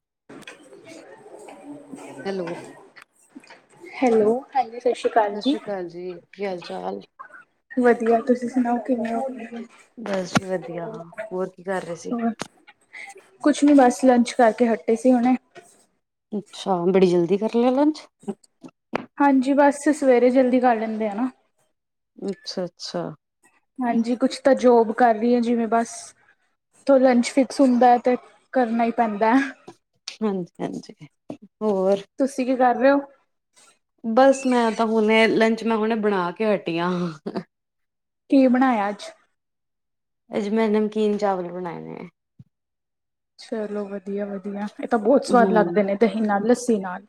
[inaudible] Hello. Hello, ਹਾਂਜੀ। ਸਤਿ ਸ਼੍ਰੀ ਸਸ ਜੀ ਰੀ ਅਕਾਲ ਜੀ, ਕੀ ਹਾਲ ਚਾਲ ਵਧੀਆ, ਤੁਸੀਂ ਸੁਣਾਓ ਕਿਵੇਂ ਹੋ। ਬਸ ਜੀ ਵਧੀਆ, ਹੋਰ ਕੀ ਕਰ ਰਹੇ ਸੀ? ਹੋਰ ਕੁਛ ਨੀ ਬਸ ਲੰਚ ਕਰਕੇ ਹਟੇ ਸੀ ਹੁਣੇ ਅੱਛਾ, ਬੜੀ ਜਲਦੀ ਕਰ ਲਿਆ ਲੰਚ। ਹਾਂਜੀ, ਬਸ ਸਵੇਰੇ ਜਲਦੀ ਕਰ ਲੈਂਦੇ ਆ ਨਾ। ਅੱਛਾ -ਅੱਛਾ। ਹਾਂਜੀ ਕੁਛ ਤਾਂ ਜੋਬ ਕਰ ਰਹੀ ਹੈ, ਜਿਵੇਂ ਬਸ ਲੰਚ ਫਿਕਸ ਹੁੰਦਾ ਹੈ ਤੇ ਕਰਨਾ ਹੀ ਪੈਂਦਾ ਹੈ। ਹਾਂਜੀ, ਹਾਂਜੀ ਹੋਰ। ਤੁਸੀਂ ਕੀ ਕਰ ਰਹੇ ਹੋ। ਬਸ ਮੈਂ ਤਾਂ ਹੁਣ ਲੰਚ ਮੈਂ ਹੁਣੇ ਬਣਾ ਕੇ ਹਟੀ ਆ। ਕੀ ਬਣਾਇਆ ਅੱਜ। ਅੱਜ ਮੈਂ ਨਮਕੀਨ ਚਾਵਲ ਬਣਾਏ ਨੇ ਆ। ਚਲੋ ਵਧੀਆ। ਵਧੀਆ ਵਧੀਆ ਇਹ ਤਾਂ ਬਹੁਤ ਸਵਾਦ ਲੱਗਦੇ ਹੂੰ, ਆ ਦਈ ਨਾ ਤੇ ਲੱਸੀ ਥੀ ਨਾਲ।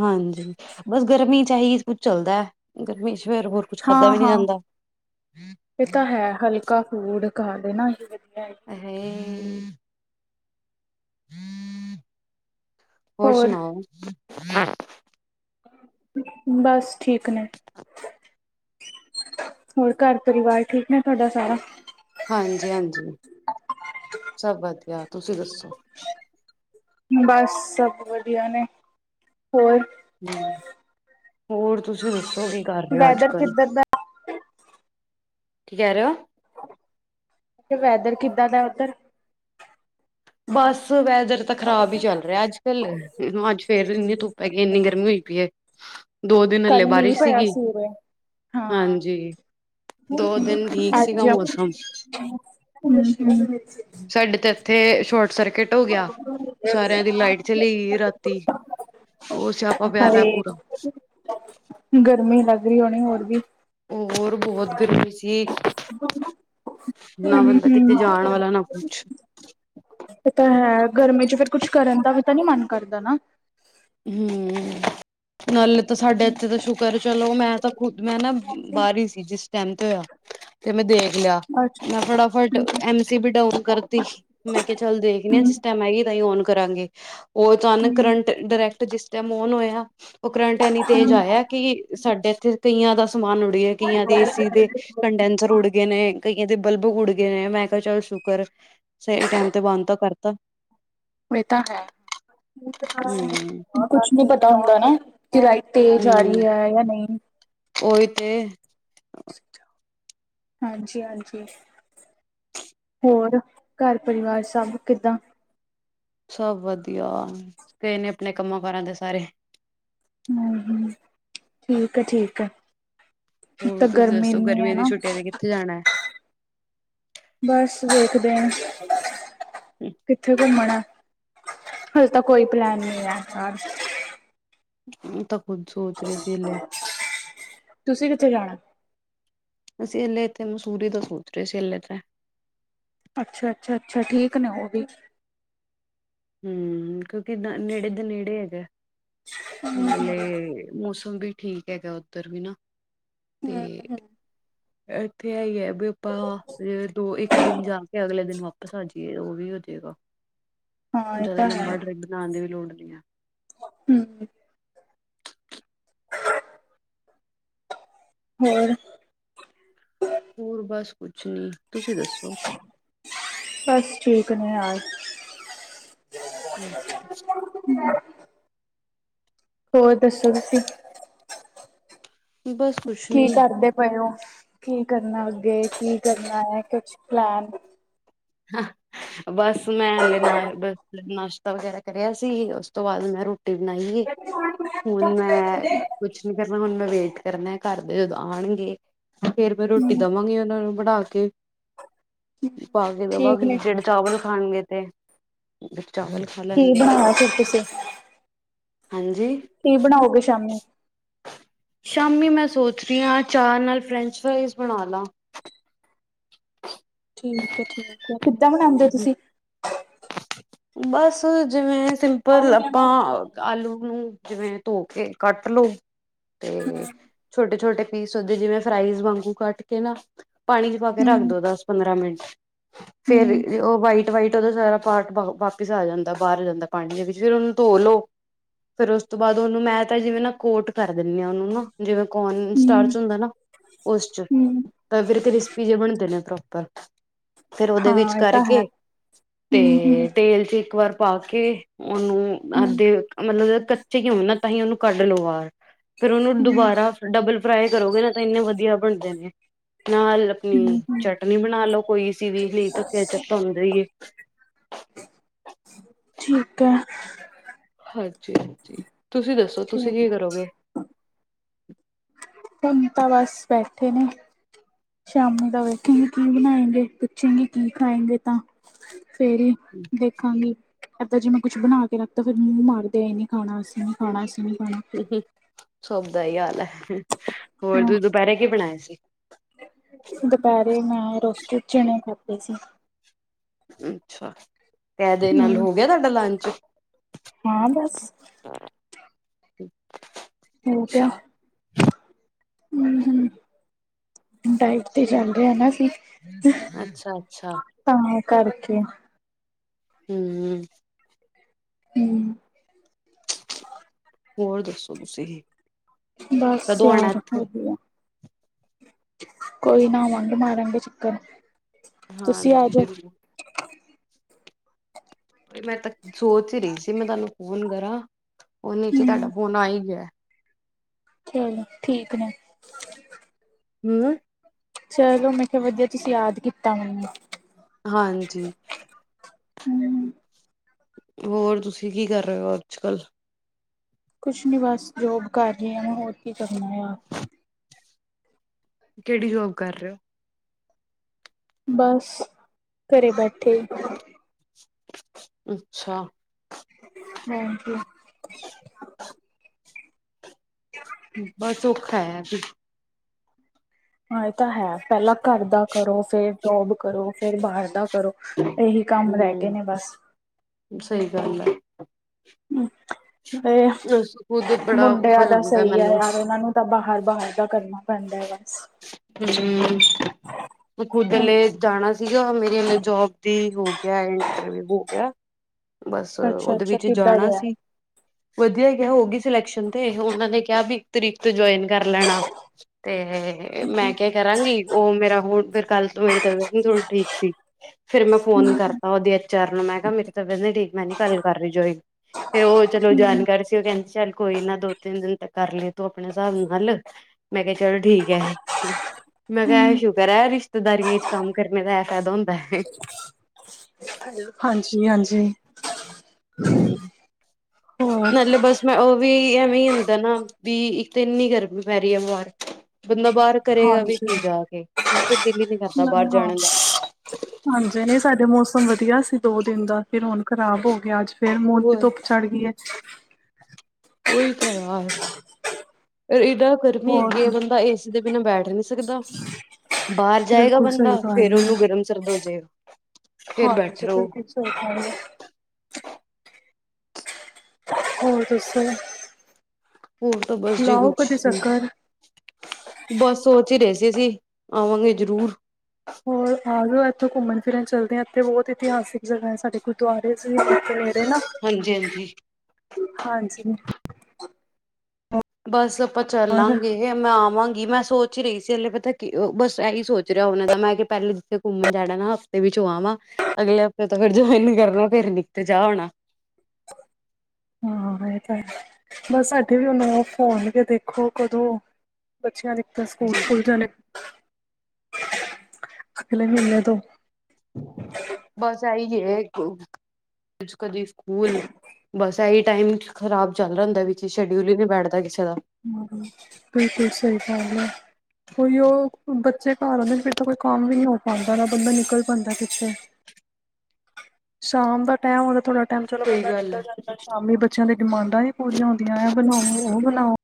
ਹਾਂਜੀ ਬਸ ਗਰਮੀ ਚ' ਇਹੀ ਕੁੱਝ ਚੱਲਦਾ ਹੈ। ਹਾਂ ਹਾਂ ਇਹ ਤਾਂ ਹੈ ਹਲਕਾ ਫੂਡ। ਕਾਹਦੇ ਨਾ ਸੀ ਫੇਰ। [unintelligible] [inaudible] ਹੋਰ ਸੁਣਾਓ। [inaudible] ਬਸ ਠੀਕ ਨੇ ਹੋਰ ਘਰ ਪਰਿਵਾਰ ਠੀਕ ਨੇ ਤੁਹਾਡਾ ਸਾਰਾ। ਹਾਂਜੀ-ਹਾਂਜੀ, ਸਭ ਵਧੀਆ ਤੁਸੀਂ ਦੱਸੋ। ਬਸ ਸਭ ਵਧੀਆ ਨੇ ਹੋਰ। ਹੋਰ ਤੁਸੀਂ ਦੱਸੋ ਕੀ ਕਰ ਰਹੇ ਹੋ ਅੱਜ ਵੈਦਰ ਕੱਲ, ਕਿੱਧਰ ਦਾ ਕੀ ਕਹਿ ਰਹੇ ਔ। ਵੈਦਰ ਕਿੱਦਾਂ ਦਾ ਉੱਧਰ, ਬਸ, ਵੈਦਰ ਤਾਂ ਖਰਾਬ ਹੀ ਚੱਲ ਰਿਹਾ ਅੱਜ ਕੱਲ ਅੱਜ ਫੇਰ ਇੰਨੀ ਧੁੱਪ ਹੈੈਗੀ ਇੰਨੀ ਗਰਮੀ ਹੋਈ ਪਈ ਹੈ। ਦੋ ਦਿਨ ਹਲੇ ਕੱਲ ਮੀਂਹ ਬਾਰਿਸ਼ ਪਿਆ ਸੀਗੀ ਸਵੇਰੇ ਹਾਂ ਹਾਂਜੀ ਦੋ ਦਿਨ ਠੀਕ ਸੀਗਾ ਅੱਜ ਮੌਸਮ ਤੇ, ਸਰਕਿਟ ਹੋ ਗਿਆ ਸਾਰਿਆਂ ਦੀ ਲਾਈਟ ਚਲੀ ਗਈ, ਰਾਤੀ ਉਹ ਸਿਆਪਾ ਪਿਆ ਰਾਤ ਹਾਏ ਪੂਰਾ। ਰੀ ਹੋਣੀ ਹੋਰ ਵੀ, ਹੋਰ ਬਹੁਤ ਗਰਮੀ ਸੀ। ਹੂੰ ਨਾ ਬੰਦਾ ਕਿੱਥੇ ਜਾਣ ਹੂੰ ਵਾਲਾ ਨਾ ਕੁਛ, ਦਾ ਬੰਦਾ ਕਿੱਥੇ ਜਾਣ ਵਾਲਾ ਇਹ ਤਾਂ ਹੈ ਗਰਮੀ ਚ ਫਿਰ ਕੁਛ ਕਰਨ ਦਾ ਵੀ ਤਾਂ ਨੀ ਮਨ ਕਰਦਾ ਨਾ। ਹੂੰ, ਨਾਲ ਤਾਂ ਸਾਡੇ ਇੱਥੇ ਦਾ ਸ਼ੁਕਰ ਚਲੋ, ਮੈਂ ਤਾਂ ਖੁਦ ਮੈਂ ਨਾ ਬਾਹਰ ਹੀ ਸੀ, ਜਿਸ ਟਾਈਮ ਤੇ ਹੋਇਆ ਤੇ ਮੈਂ ਦੇਖ ਲਿਆ ਅੱਛਾ ਮੈਂ ਫਟਾਫਟ ਐਮ ਸੀ ਵੀ ਡਾਊਨ ਕਰਤੀ ਸੀ, ਮੈਂ ਕਿਹਾ ਚੱਲ ਦੇਖਦੇ ਆ ਜਿਸ ਟਾਈਮ ਆ ਕਰਾਂਗੇ। ਉਹ ਅਚਨਾਕ ਹੂੰ। ਕਰੰਟ ਡਾਇਰੈ ਜਿਸ ਟਾਈਮ ਔਨ ਹੋਇਆ। ਉਹ ਕਰੰਟ ਇੰਨੀ ਤੇਜ਼ ਆਇਆ ਕਿ ਸਾਡੇ ਇੱਥੇ, ਕਈਆਂ ਦਾ, ਸਮਾਨ ਉੱੜਏ ਕਈਆਂ ਦੇ ਏਸੀ ਦੇ ਕੰਡੈਂਸਰ ਉੱਡ ਗਏ ਨੇ। ਕਈਆਂ ਦੇ ਬਲਬ ਉੱਡ ਗਏ, ਨੇ ਮੈਂ ਕਿਹਾ ਚੱਲ ਸ਼ੁਕਰ ਸਹੀ ਟਾਈਮ ਤੇ ਬੰਦ ਤਾਂ ਕਰਤਾ। ਐ ਤਾਂ ਹੈ। ਹੂੰ ਕੁਛ ਨੀ ਪਤਾ ਹੁੰਦਾ ਨਾ ਜਲਾਈ ਤੇਜ਼ ਆ ਹੂੰ ਰਹੀ ਹੈ ਜਾਂ ਨਹੀਂ। ਉਹੀ ਤੇ ਹਾਂਜੀ ਹਾਂਜੀ, ਹੋਰ ਘਰ ਪਰਿਵਾਰ ਸਭ ਕਿੱਦਾਂ ਸਭ ਵਧੀਆ ਕਿਸ ਨੇ ਆਪਣੇ ਕੰਮਾਂ ਕਾਰਾਂ ਤੇ ਸਾਰੇ ਹੂੰ ਹੂੰ ਠੀਕ ਆ ਠੀਕ ਆ। ਇਕ ਹੋਰ ਤਾਂ ਤੁਸੀਂ ਗਰਮੀ ਦੱਸੋ ਇਨੀ ਐ ਗਰਮੀਆਂ ਦੀ ਨਾ ਛੁੱਟੀਆਂ ਤੇ ਕਿੱਥੇ ਜਾਣਾ ਬਸ ਵੇਖਦੇ ਹੈ [unintelligible] ਕਿੱਥੇ ਘੁੰਮਣਾ ਹੱਲੇ ਤਾਂ ਕੋਈ ਪਲੈਨ ਨਹੀਂ ਐ ਅ ਓ ਤਾ ਤੁਸੀਂ ਕਿੱਥੇ ਜਾਣਾ। ਅਸੀਂ ਹੱਲੇ ਇੱਥੇ ਮਸੂਰੀ ਦਾ ਸੋਚ ਰਹੇ ਸੀ ਹੱਲੇ ਤੇ ਅੱਛਾ ਅੱਛਾ ਅੱਛਾ ਠੀਕ ਨੇ ਉਹ ਵੀ ਹੂੰ ਕਿਉਂਕਿ ਨੇੜੇ ਦੇ ਨੇੜੇ ਹੈਗਾ। ਨਾਲੇ ਮੌਸਮ ਵੀ ਠੀਕ ਹੈਗਾ ਉੱਧਰ ਵੀ ਨਾ ਤੇ ਇੱਥੇ ਐ ਈ ਹੈ। ਵੀ ਆਪਾਂ ਦੋ ਇੱਕ ਦਿਨ ਜਾ ਕੇ ਅਗਲੇ ਦਿਨ ਵਾਪ ਸਾਂਝੀਏ ਉਹ ਵੀ ਹੋਜੇਗਾ। ਹਾਂ ਇਹ ਜਿਆਦਾ ਤਾਂ ਹੈ ਲੰਬਾ ਟਰਿਪ ਬਣਾਉਣ ਦੀ ਵੀ ਲੋੜ [inaudible] ਹੂੰ ਹੋਰ ਹੋਰ ਬਸ ਕੁਛ ਕੁਛ ਨੀ ਤੁਸੀਂ ਦੱਸੋ ਬਸ ਠੀਕ ਨੇ ਯਾਰ [inaudible] ਹੋਰ ਦੱਸੋ ਤੁਸੀਂ ਬਸ ਕੁਛ ਕੀ ਨੀ ਕਰਦੇ ਪਏ ੳ ਕੀ ਕਰਨਾ ਅੱਗੇ ਕੀ, ਕਰਨਾ ਹੈ। ਕੁਛ ਪਲੈੱਨ ਹਾਂ। ਬੱਸ ਮੈਂ ਹਲੇ ਨਾ, ਬ ਨਾ ਵਗੈਰਾ ਕਰਿਆ ਸੀ, ਉਸ ਤੋਂ ਬਾਅਦ ਮੈਂ ਰੋਟੀ ਬਣਾਈਏ ਹੁਣ ਮੈਂ, ਕੁਛ ਨੀ ਕਰਨਾ ਹੁਣ, ਮੈਂ ਵੇਟ ਚਿਰਨ ਕਰਦੇ ਆਣਗੇ ਫੇਰ ਮੈਂ, ਰੋਟੀ ਦੇਵਾਂਗੀ ਉਹਨਾਂ ਨੂੰ ਬਣਾ ਕੇ। ਕੀ ਪਾ ਠੀਕ ਨੇ ਜਿਹੜੇ ਕੀ ਚਾਵਲ ਖਾਣਗੇ ਤੇ, ਚਾਵਲ ਖਾ ਕੀ ਲੈਣਗੇ ਬਣਾਇਆ ਫਿਰ ਤੁਸੀਂ? ਹਾਂਜੀ ਕੀ, ਬਣਾਓਗੇ ਸ਼ਾਮੀ? ਸ਼ਾਮੀ, ਮੈਂ ਸੋਚ ਰਹੀ ਹਾਂ, ਚਾਅ ਨਾਲ ਫਰੈਂਚ- ਫਰਾਈਜ਼ ਬਣਾ ਲਾ। ਠੀਕ ਹੈ- ਠੀਕ ਕਿੱਦਾਂ ਬਣਾਂਦੇ ਤੁਸੀਂ? ਬਸ ਜਿਵੇਂ ਹਮ ਸਿੰਪਲ, ਆਪਾਂ ਆਲੂ ਨੂੰ ਜਿਵੇਂ ਧੋ ਕੇ ਕੱਟ ਲੋੋ‌। ਤੇ, ਛੋਟੇ-ਛੋਟੇ ਪੀਸ ਓਦੇ, ਜਿਵੇਂ ਫਰਾਈਜ਼ ਵਾਂਗੂ ਕੱਟ ਕੇ ਨਾ ਪਾਣੀ ਚ ਪਾ ਕੇ ਰੱਖ ਦੋ, ਦਸ-ਪੰਦਰਾਂ ਮਿੰਟ ਫੇਰ, ਹਮ ਉਹ ਵਾਈਟ-ਵਾਈਟ ਉਹਦਾ ਸਾਰਾ ਪਾਨੀ ਪਾਓ, ਵਾਪਿਸ ਆ ਜਾਂਦਾ। ਬਾਹਰ ਆ ਜਾਂਦਾ ਪਾਣੀ ਦੇ ਵਿੱਚ। ਫੇਰ ਉਹਨੂੰ ਧੋ ਲੋ, ਫੇਰ ਉਸ ਤੋਂ ਬਾਅਦ, ਉਹਨੂੰ ਮੈਂ ਤਾਂ ਜਿਵੇਂ ਨਾ ਕੋਟ ਕਰ ਦੇਣੀ ਹ ਉਹਨੂੰ ਨਾ, ਜਿਵੇਂ ਕੋਨ ਹਮ ਸਟਾਰਚ ਹੁੰਦਾ ਨਾ। ਉਸ ਚ ਹਮ ਤਾਂ ਫਿਰ ਕ੍ਰਿਸਪੀ ਜੇ ਬਣਦੇ ਨੇ ਪਰ ਫਿਰ, ਉਹਦੇ ਵਿੱਚ ਹਾਂ ਇਹ ਤਾਂ ਹੈ ਕਰਕੇ ਤੇ ਹਮ ਹਮ ਤੇਲ ਚ ਇੱਕ ਵਾਰ ਪਾ ਕੇ ਉਹਨੂੰ ਹਮ ਅੱਧੇ, ਮਤਲਬ ਕੱਚੇ ਜੇ ਹੋਣ ਨਾ, ਤਾਂ ਹੀ ਉਹਨੂੰ ਕੱਢ ਲੋ। ਬਾਰ ਫੇਰ ਉਹਨੂੰ ਹਮ ਦੁਬਾਰਾ ਡਬਲ ਫਰਾਈ ਕਰੋਗੇ ਨਾ, ਤਾਂ ਇੰਨੇ ਵਧੀਆ ਬਣਦੇ ਨੇ ਨਾਲ ਅਪਣੀ ਹਮ ਹਮ ਚਟਨੀ ਬਣਾ ਲਓ। ਕੋਈ ਸੀ ਵੀ ਨੀਂ ਤੇ ਕੈਚਅਪ ਤਾਂ ਆਉਂਦੇ ਈਏ ਠੀਕ ਹੈ। ਹਾਂਜੀ, ਹਾਂਜੀ ਤੁਸੀਂ ਦੱਸੋ, ਤੁਸੀਂ ਠੀਕ ਕੀ ਕਰੋਗੇ? [unintelligible] ਹੁਣ ਤਾਂ ਬਸ ਬੈਠੇ ਨੇ। ਸ਼ਾਮੀ ਦਾ ਵੇਖਾਂਗੇ ਕੀ ਬਣਾਏਂਗੇ, ਪੁੱਛੇਗੀ ਕੀ ਖਾਏਂਗੇ ਤਾਂ ਫੇਰ ਹੀ ਦੇਖਾਂਗੀ। ਇੱਦਾਂ ਜੇਵੇੈਂ ਕੁੱਛ ਬਣਾ ਕੇ ਰੱਖਤਾ, ਫਿਰ ਮੂੰਹ ਮਾਰਦੇ ਇਹ ਨੀਂ ਖਾਣਾ ਅਸੀਂ, ਨੀੱਂ ਖਾਣਾ ਅਸ [unintelligible] ਸਭ ਦਾ ਏਹੀ ਹਾਲ ਐ। ਹੋਰ, ਤੂੰ ਹਾਂ ਦੁਪਹਿਰੇ ਕੀ ਬਣਾਇਏ ਸੀ? ਦੁਪਹਿਰੇ ਮੈਂ ਰੋਸਤੇਡ ਚਣੇ ਖਾਦੇ ਸੀ ਅੱਛਾ ਐ ਦੇ ਨਾਲ ਹਮ ਹੋ ਗਿਆ ਤੁਹਾਡਾ ਲੰਚ? ਹਾਂ ਬਸ [unintelligible] ਅੱਛਾ। ਹਂ, ਹਂ ਡਾਈਟ ਤੇ ਚੱਲ ਰਹੇ ਨਾ ਅਸੀ [unintelligible] ਅੱਛਾ ਅੱਛਾ। ਤਾਂ ਕਰਕੇ ਹਂ ਹਂ ਹਂ [unintelligible] ਹੋਰ ਦੱਸੋ ਤੁਸੀਂ। ਬਸ ਕਦੋਂ ਆਣਾ ਯਾਰ ਇੱਥੇ? ਵਧੀਆ ਕੋਈ ਨਾ ਆਵਾਂਗੇ ਮਾਰਾਂਗੇ ਚੱਕਰ। ਤੁਸੀਂ ਆ ਹਾਂਜੀ ਜਾਓ ਜ਼ਰੂਰ ਮੈਂ ਤਾਂ ਸੋਚ ਹੀ ਰਹੀ ਸੀ? ਮੈਂ ਤੁਹਾਨੂੰ ਫੋਨ ਕਰਾਂ। ਉਹ ਇਚੇ ਤੁਆਡਾ ਹੂੰ ਫੋਨ ਆਈ ਗਿਆ। ਚਲੋ ਠੀਕ ਨੇ। [unintelligible] ਹਂ ਚਲੋ ਮੈਂ ਕਿਹਾ ਵਧੀਆ ਤੁਸੀਂ ਯਾਦ ਕੀਤਾ ਮੈਨੂੰ। ਹਾਂਜੀ। ਹੂੰ ਹੋਰ ਤੁਸੀਂ ਕੀ ਕਰ ਰਹੇ ਹੋ? ਅੱਜ ਕੱਲ। ਕੁਛ ਨੀਂ ਬਸ ਜੋਬ ਕਰ ਰਹੀ ਆਂ ਮੈਂ ਹੋਰ ਕੀ ਕਰਨਾ ਐ ਕਿਹੜੀ ਜੋਬ ਕਰ ਰਹੇ ਹੋ? ਬਸ ਘਰੇ ਬੈਠੇ। ਅੱਛਾ। ਹਾਂਜੀ [unintelligible] ਖਾਇਆ ਕਿ? ਹਾਂ ਇਹ ਤਾਂ ਹੈ ਪਹਿਲਾਂ ਘਰ ਦਾ ਕਰੋ ਫੇਰ ਜੋਬ ਕਰੋ ਫੇਰ ਬਾਹਰ ਦਾ ਕਰੋ ਇਹੀ ਕੰਮ ਰਹਿ ਗਏ ਹਮ ਨੇ ਬਸ। ਸਹੀ ਗੱਲ ਹੈ ਹਮ ਉਸ ਖੁਦ ਇਹ ਬੜਾ ਔਖਾ ਮੁੰਡਿਆਂ ਹੋ ਦਾ ਜਾਂਦਾ ਸਹੀ ਹੈ ਮੈਨੂੰ ਯਾਰ ਉਹਨਾਂ ਨੂੰ ਤਾਂ ਬਾਹਰ-ਬਾਹਰ ਦਾ ਕਰਨਾ। ਪੰਡ ਵ [unintelligible] ਹਮ ਖੁਦ ਹਮ ਲੇ ਜਾਣਾ ਸੀਗਾ ਮੇਰੀ ਹਲੇ ਜੋਬ ਦੀ ਹੋ ਗਿਆ ਇੰਟਰਵਿਊ ਹੋ ਗਿਆ। ਬਸ ਅੱਛਾ ਉਹਦੇ ਅੱਛਾ ਵਿੱਚ ਕਿੱਦਾਂ ਜਾਣਾ ਗਿਆ ਸੀ ਵਧੀਆ ਗਿਆ ਹੋਗੀ ਸਿਲੈਕਸ਼ਨ ਤੇ ਉਹਨਾਂ ਨੇ ਕਿਹਾ ਵੀ ਤਰੀਕ ਤੋਂ ਜੁਆਇਨ ਕਰ ਲੈਣਾ ਤੇ ਮੈਂ ਕਿਹਾ ਕਰਾਂਗੀ ਉਹ ਮੇਰਾ ਹੁਣ ਫਿਰ ਕੱਲ ਤੋਂ ਮੇਰੀ ਤਬੀਅਤ ਨੀ ਥੋੜ੍ਹੀ ਠੀਕ ਸੀ। ਫਿਰ ਮੈਂ ਫੋਨ ਕਰਤਾ ਉਹਦੀ ਐਚ ਆਰ ਨੂੰ ਮੈਂ ਕਿਹਾ ਮੇਰੀ ਤਬੀਅਤ ਨੀ ਠੀਕ ਮੈਂ ਨੀ ਕੱਲ ਕਰ ਰਹੀ ਜੋਆਇਨ ਫੇਰ ਉਹ ਚਲੋ ਜਾਣਕਾਰੀ ਸੀ ਉਹ ਕਹਿੰਦੀ ਚੱਲ ਕੋਈ ਨਾ ਦੋ ਤਿੰਨ ਦਿਨ ਤੇ ਕਰ ਲਈ ਤੂੰ ਆਪਣੇ ਹਿਸਾਬ ਨਾਲ ਮੈਂ ਕਿਹਾ ਚਲ ਠੀਕ ਹੈ। ਮੈਂ ਕਿਹਾ ਇਹ ਸ਼ੁਕਰ ਹੈ ਰਿਸ਼ਤੇਦਾਰੀਆਂ ਚ ਕੰਮ ਕਰਨੇ ਦਾ ਇਹ ਫਾਇਦਾ ਹੁੰ ਹਾਂ ਜੀ ਹਾਂਜੀ। ਹੋਰ ਨਾਲੇ ਬਸ ਮੈਂ ਉਹ ਵੀ ਐਵੇਂ ਹੀ ਹੁੰਦਾਂ ਨਾ, ਵੀ ਇੱਕ ਤੇ ਐਨੀ ਗਰਮੀ ਪੈ ਰਹੀ ਹੈ ਬਾਰ। ਬੰਦਾ ਬਾਹਰ ਕਰੇਗਾ ਵੀ ਹਾਂਜੀ ਕੀ ਜਾ ਕੇ, ਮੇਰਾ ਤਾਂ ਦਿਲ ਹੀ ਨਹੀਂ ਕਰਦਾ ਬਾਹਰ ਜਾਣ ਦਾ। ਆ ਸੀ ਦੋ ਦਿਨ ਦਾ ਫਿਰ ਹੁਣ ਖ਼ਰਾਬ ਹੋ ਗਿਆ ਅੱਜ। ਫੇਰ ਮੋੜ ਤੋਂ ਹੋਰ ਧੁੱਪ ਚੜ੍ਹ ਗਈ ਆ। ਉਹੀ ਤਾਂ ਯਾਰ [unintelligible] ਯਾਰ ਗਰਮੀ ਹੋਰ ਹੈਗੀ ਆ, ਬੰਦਾ ਏ ਸੀ ਦੇ ਬਿਨਾਂ ਬੈਠ ਨਹੀਂ ਸਕਦਾ, ਬਾਹਰ ਜਾਏਗਾ ਬਿਲਕੁਲ ਸਹੀ ਬੰਦਾ ਫੇਰ ਗੱਲ ਹੈ ਉਹਨੂੰ ਗਰਮ ਸਰਦ ਹੋ ਜਾਏਗਾ ਫੇਰ ਬੈਠੇ ਹਾਂਜੀ ਰਹੋ। ਬਿਲਕੁਲ ਸਹੀ ਗੱਲ ਹੈ ਹੋਰ ਦੱਸੋ ਹੋਰ ਤਾਂ ਬੱਸ ਜੀ ਲਾਓ ਕੁਛ ਕਦੇ ਨੀ। ਚੱਕਰ ਬਸ ਸੋਚ ਹੀ ਰਹੇ ਸੀ ਅਸੀ ਆਵਾਂਗੇ ਜ਼ਰੂਰ। ਫਿਰ ਚੱਲਦੇ ਹਾਂ, ਇੱਥੇ ਬਹੁਤ ਇਤਿਹਾਸਿਕ ਜਗ੍ਹਾ ਹੈ ਸਾਡੇ ਗੁਰਦੁਆਰੇ ਚ ਏ ਨਾ ਹਾਂਜੀ ਹਾਂਜੀ ਹਾਂਜੀ ਬਸ ਆਪਾਂ ਪਰ ਚੱਲਾਂਗੇ ਮੈਂ ਆਵਾਂ ਮੈਂ ਸੋਚ ਰਹੀ ਸੀ ਅਲੇ ਪਤਾ, ਬਸ ਇਹੀ ਸੋਚ ਰਿਹਾ ਉਹਨਾਂ ਦਾ ਮੈਂ ਕਿਹਾ ਪਹਿਲੇ ਜਿੱਥੇ ਘੁੰਮਣ ਜਾਣਾ ਨਾ ਹਫ਼ਤੇ ਵਿੱਚ ਹੋ ਆਵਾ, ਅਗਲੇ ਹਫ਼ਤੇ ਤੋਂ ਫਿਰ ਜੁਆਇਨ ਕਰਨਾ ਫਿਰ ਕਿੱਥੇ ਜਾ ਹੋਣਾ। ਹਾਂ, ਇਹ ਤਾਂ ਹੈ ਬਸ ਸਾਡੇ ਵੀ ਹੁਣ ਆਫ ਹੋਣਗੇ ਦੇਖੋ ਕਦੋਂ ਬੱਚਿਆਂ ਦੇ ਫਿਰ ਸਕੂਲ ਜੀ ਖੁੱਲ ਜਾਣੇ। ਅਗਲੇ ਮਹੀਨੇ ਤੋਂ ਬਸ ਐਈ [unintelligible] ਕਦੀ ਸਕੂਲ ਬਸ ਐਹੀ ਟਾਈਮ ਖ਼ਰਾਬ ਚੱਲ ਰਿਹਾ ਹੁੰਦਾ, ਵਿੱਚ ਸ਼ਡਿਊਲ ਈ ਨਈ ਬੈਠਦਾ ਕਿਸੇ ਦਾ। ਬਿਲਕੁਲ ਸਹੀ ਗੱਲ ਏ, ਉਈਉ ਬੱਚੇ ਘਰ ਆਂਦੇ ਨੇ ਫਿਰ ਤਾਂ ਕੋਈ ਕੰਮ ਵੀ ਨੀ ਹੋ ਪਾਉਂਦਾ, ਨਾ ਬੰਦਾ ਨਿਕਲ ਪਾਂਦਾਏ ਕਿਤੇ। ਸ਼ਾਮ ਦਾ ਟਾਈਮ ਹੁੰਦਾ ਥੋੜ੍ਹਾ ਟਾਈਮ ਚਲੋ ਸਹੀ ਬੰਦਾ ਗੱਲ ਹੈ ਨਿਕਲ ਜਾਂਦਾ ਸ਼ਾਮੀ ਬਟ ਬੱਚਿਆਂ ਦੀ ਡਿਮਾਂਡਾਂ ਈ ਪੂਰੀਆਂ ਹੁੰਦੀਆਂ, ਐ ਬਨਾਓ, ਉਹ ਬਨਾਉ।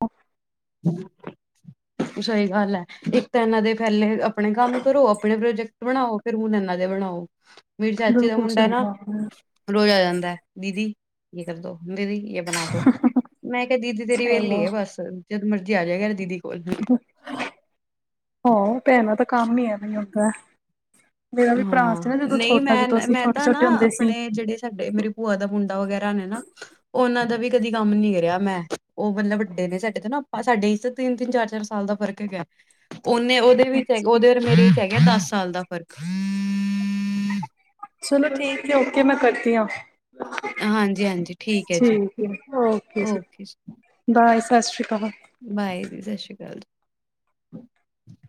ਸਹੀ ਗੱਲ ਏ, ਇੱਕ ਤਾਂ ਇਹਨਾਂ ਦੇ ਫੈਲੇ ਅਪ ਆਪਨੇ ਕੰਮ ਕਰੋ, ਆਪਨੇ ਪ੍ਰੋਜੈਕਟ ਆਪਣੇ ਬਨਾਉ, ਫੇਰ ਹੁਨ ਇਹਨਾਂ ਦੇ ਬਨਾਉ। ਮੇਰੀ ਚਾਚੀ ਦਾ ਬਿਲਕੁਲ ਮੁੰਡਾ ਸਹੀ ਨਾ, ਗੱਲ ਹੈ ਰੋਜ਼ ਆ ਜਾਂਦਾ ਏ ਦੀਦੀ। [unintelligible] ਦੀਦੀ। ਯੇ ਬਨਾ ਦੋ, ਮੈਂ ਕਿਹਾ ਦੀਦੀ ਤੇਰੀ ਵਿਹਲੀ ਚਲੋ ਐ ਬਸ। ਜਦੋਂ ਮਰਜ਼ੀ ਆ ਜਾਏਗਾ ਦੀਦੀ। ਕੋਲ ਹੋਓ ਭੈਣਾ ਤਾਂ ਕਮ ਈ ਏ। [unintelligible] ਹਾਂ, ਨਹੀਂ ਮੈਂ, ਮੈਂ ਛੋਟੇ ਤਾਂ ਨਾ ਛੋਟੇ ਹੁੰਦੇ ਸੀ ਆਪਨੇ ਜਿਹੜੇ ਸਾਡੇ ਮੇਰੇ ਭੂਆ ਦਾ ਮੁੰਡਾ ਵਗੈਰਾ ਨੇ ਨਾ ਉਹਨਾਂ ਦਾ ਵੀ ਕਦੀ ਕੰਮ ਨੀ ਕੇਰੇਆ ਮੈਂ। ਉਹ ਮਤਲਬ ਵੱਡੇ ਨੇ ਸਾਡੇ ਤੋਂ ਨਾ ਆਪਾਂ ਸਾਡੇ ਇਚ ਤੇ ਤਿੰਨ, ਤਿੰਨ, ਚਾਰ, ਚਾਰ ਸਾਲ ਦਾ ਫ਼ਰਕ ਹੈਗਾ। ਉਹਨੇ ਉਹਦੇ ਵਿੱਚ ਹੈ ਉਹਦੇ ਹੋਰ ਮੇਰੇ ਚ ਹੈਗੇ ਦਸ ਸਾਲ ਦਾ ਫਰਕ। ਚਲੋ ਠੀਕ ਐ। ਓਕੇ, ਮੈਂ ਕਰਦੀ ਆਂ। ਹਾਂਜੀ, ਹਾਂਜੀ ਠੀਕ ਏ ਜੀ, ਹੈ ਓਕੇ ਜੀ। ਸਾ ਸ੍ਰੀ। ਬਾਏ ਜੀ, ਸਤਿ ਸ੍ਰੀ ਅਕਾਲ ਜੀ। [unintelligible]